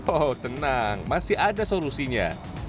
oh tenang masih ada solusinya